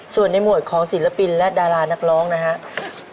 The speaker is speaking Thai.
ส่วนในหมวดของศิลปินและดารานักร้องนะครับ